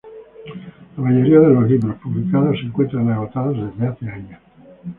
La mayoría de los libros publicados se encuentran agotados desde hace años.